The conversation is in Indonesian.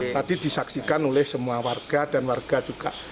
tadi disaksikan oleh semua warga dan warga juga